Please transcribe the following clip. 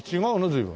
随分。